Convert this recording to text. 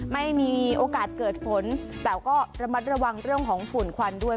ไม่มีโอกาสเกิดฝนแต่ก็ระมัดระวังเรื่องของฝุ่นควันด้วย